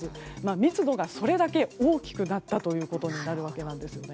密度がそれだけ大きくなったということになるわけですね。